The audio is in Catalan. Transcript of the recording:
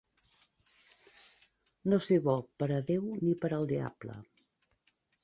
No ser bo per a Déu ni per al diable.